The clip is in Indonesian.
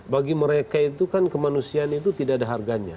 bagi mereka itu kan kemanusiaan itu tidak ada harganya